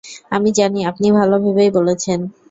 আমি জানি আপনি ভালো ভেবেই বলেছেন।